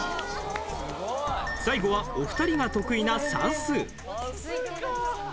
最後はお二人が得意な算数。